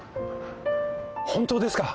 本当ですか！